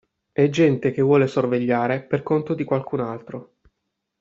E gente che vuole sorvegliare per conto di qualcun altro.